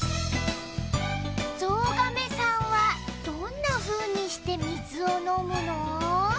ゾウガメさんはどんなふうにしてみずをのむの？